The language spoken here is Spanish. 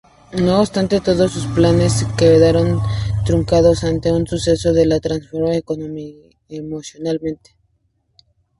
No obstante, todos sus planes quedarán truncados ante un suceso que la transformará emocionalmente.